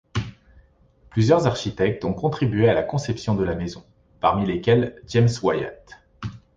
Plusieurs architectes ont contribué à la conception de la maison, parmi lesquels James Wyatt.